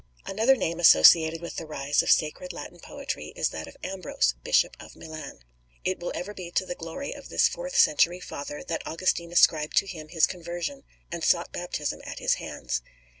Another name associated with the rise of sacred Latin poetry is that of Ambrose, Bishop of Milan. It will ever be to the glory of this fourth century Father that Augustine ascribed to him his conversion, and sought baptism at his hands.